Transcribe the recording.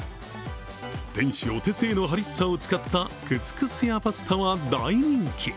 店主お手製のハリッサを使ったクスクスやパスタは大人気。